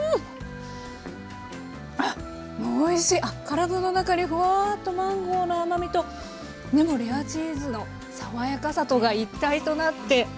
体の中にほわとマンゴーの甘みとでもレアチーズの爽やかさとが一体となって。